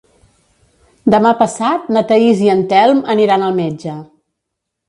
Demà passat na Thaís i en Telm aniran al metge.